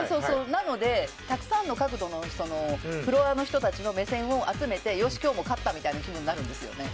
なので、たくさんの角度のフロアの人たちの目線を集めてよし、今日も勝ったみたいな気分になるのよ。